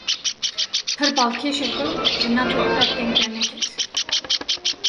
Pir balkêşe ku ji Natoyê qet deng derneket